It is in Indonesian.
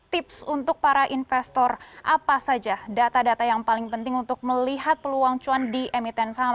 tips untuk para investor apa saja data data yang paling penting untuk melihat peluang cuan di emiten saham